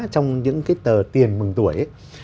cái tờ tiền mừng tuổi